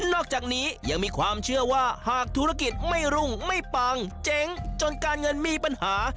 อกจากนี้ยังมีความเชื่อว่าหากธุรกิจไม่รุ่งไม่ปังเจ๊งจนการเงินมีปัญหา